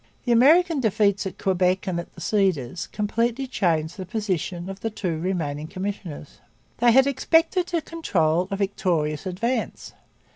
The American defeats at Quebec and at the Cedars completely changed the position of the two remaining commissioners. They had expected to control a victorious advance.